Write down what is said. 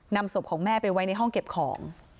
ศพของแม่ไปไว้ในห้องเก็บของ